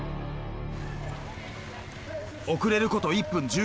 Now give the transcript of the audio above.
遅れること１分１９秒。